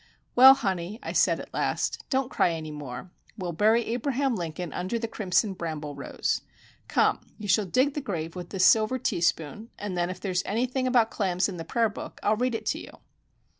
"Well, honey," I said, at last, "don't cry any more. We will bury Abraham Lincoln under the crimson bramble rose. Come,—you shall dig the grave with this silver teaspoon, and then if there is anything about clams in the prayer book, I'll read it to you."